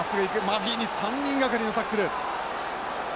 マフィに３人がかりのタックル。